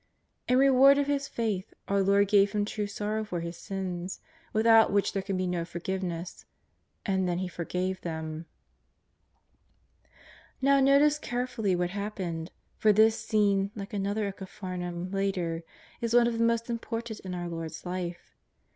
In reward of his faith our Lord gave him true sorrow for his sins, without which there can be no forgiveness, and then He forgave them. Xow notice carefully what happened, for this scene, like another at Capharnaum later, is one of the most important in our Lord's Life.